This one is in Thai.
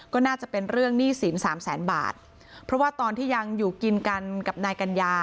ก็น่าจะเป็นเรื่องหนี้สินสามแสนบาทเพราะว่าตอนที่ยังอยู่กินกันกับนายกัญญา